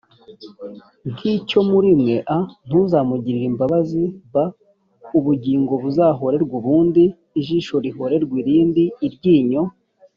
nk icyo muri mwe a ntuzamugirire imbabazi b ubugingo buzahorerwe ubundi ijisho rihorerwe irindi iryinyo